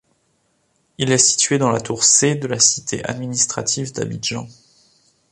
Il est situé dans la tour C de la cité administrative d'Abidjan.